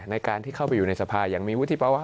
ในการที่เข้าไปอยู่ในสภาอย่างมีวิธีประวัติ